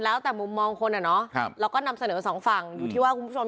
แล้วแต่มุมมองคนอ่ะเนาะเราก็นำเสนอสองฝั่งอยู่ที่ว่าคุณผู้ชม